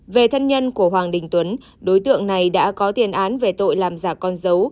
về thân nhân của hoàng đình tuấn đối tượng này đã có tiền án về tội làm giả con dấu